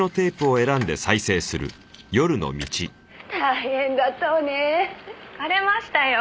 「大変だったわね」「疲れましたよ」